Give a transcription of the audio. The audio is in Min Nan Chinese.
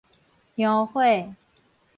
香火